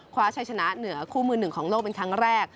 คว้าชัยชนะเหนือคู่มือหนึ่งของโลกเป็นครั้งแรก